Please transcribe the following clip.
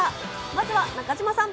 まずは中島さん。